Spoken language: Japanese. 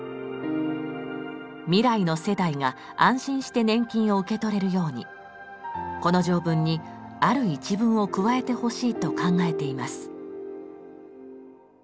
未来の世代が安心して年金を受け取れるようにこの条文にある一文を加えてほしいと考えています。